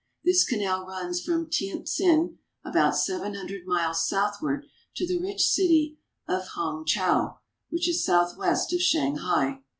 This canal runs from Tientsin about seven hundred miles southward to the rich city of Hangchau, which is southwest of Shanghai.